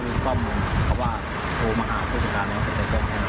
ทีที่ว่าเวลาที่ติดแล้วส่องค่ะนะ